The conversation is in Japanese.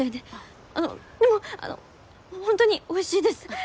あのでもあのホントにおいしいです